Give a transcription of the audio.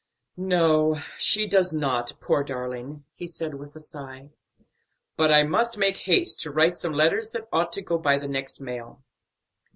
"No, she does not, poor darling," he said with a sigh. "But I must make haste to write some letters that ought to go by the next mail."